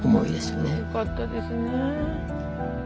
よかったですねえ。